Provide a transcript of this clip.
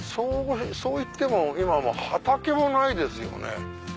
そういっても今は畑もないですよね。